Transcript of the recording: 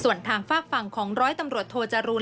ส่วนทางฝากฝั่งของร้อยตำรวจโทจรูล